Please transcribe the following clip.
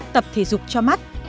tập thể dục cho mắt